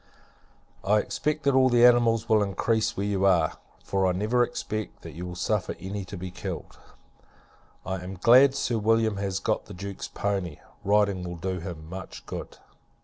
I expect, that all animals will increase where you are, for I never expect that you will suffer any to be killed. I am glad Sir William has got the Duke's poney; riding will do him much good.